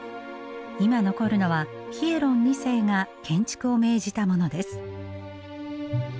今残るのはヒエロン二世が建築を命じたものです。